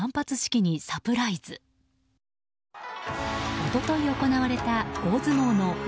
一昨日行われた大相撲の元